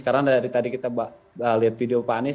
karena dari tadi kita lihat video pak anies